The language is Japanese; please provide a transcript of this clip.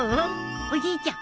おじいちゃん